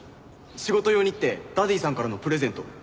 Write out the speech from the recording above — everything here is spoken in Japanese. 仕事用にってダディさんからのプレゼント。